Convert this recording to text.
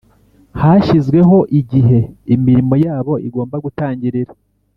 hashyizweho igihe imirimo yabo igomba gutangirira